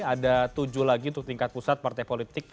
ada tujuh lagi untuk tingkat pusat partai politik